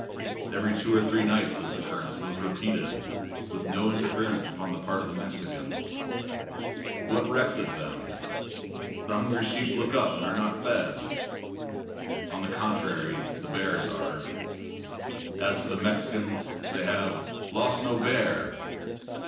Every two or three nights this occurrence was repeated, with no interference upon the part of the Mexicans. "What recks it them?" "The hungry sheep look up and are not fed." On the contrary, the bears are. As for the Mexicans, they have "lost no bear!"